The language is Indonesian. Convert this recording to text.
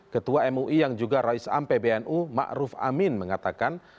ketua mui yang juga raisam pbnu ma'ruf amin mengatakan